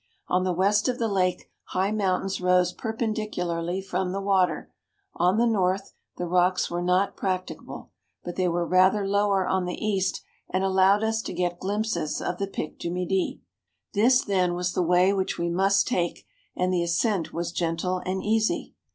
On the west of the lake high mountains rose perpendicularly from the water; on the north, the rocks were not practicable ; but they were rather lower on the east, and allowed us to get glimpses of the Pic du Midi. This, then, was the way which we must take, and the ascent was gentle and easy.